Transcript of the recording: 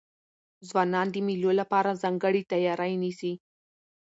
ځوانان د مېلو له پاره ځانګړې تیاری نیسي.